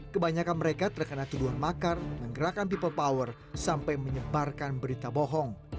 kebanyakan mereka terkena tuduhan makar menggerakkan people power sampai menyebarkan berita bohong